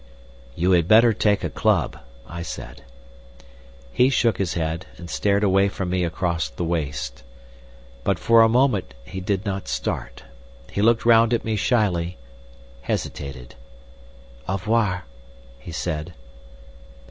"You had better take a club," I said. He shook his head, and stared away from me across the waste. But for a moment he did not start. He looked round at me shyly, hesitated. "Au revoir," he said.